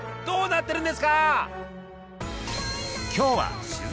どうなってるんですか？